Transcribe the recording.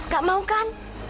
gak mau kan